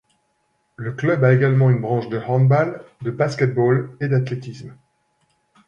Le club a également une branche de handball, de basket-ball et d'athlétisme.